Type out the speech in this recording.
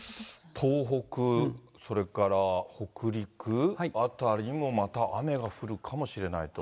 東北、それから北陸辺りもまた雨が降るかもしれないと。